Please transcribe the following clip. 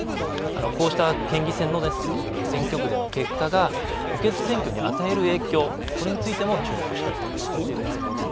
こうした県議選の選挙区での結果が補欠選挙に与える影響、これについても注目したいと思います。